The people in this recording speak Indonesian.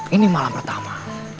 ini malam pertama